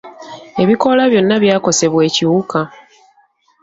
Ebikoola byonna byakosebwa ekiwuka.